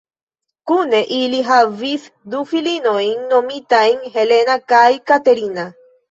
Kune ili havis du filinojn nomitajn Helena kaj Katerina.